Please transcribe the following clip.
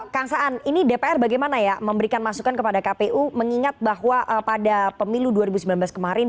kang saan ini dpr bagaimana ya memberikan masukan kepada kpu mengingat bahwa pada pemilu dua ribu sembilan belas kemarin